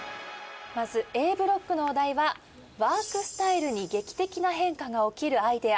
まずＡブロックのお題はワークスタイルに劇的な変化が起きるアイデア。